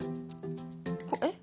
えっ